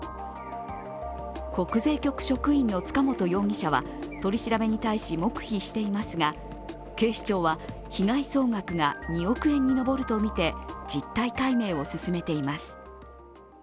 国税局職員の塚本容疑者は取り調べに対し黙秘していますが警視庁は被害総額が２億円に上るとみて実態解明を進めています。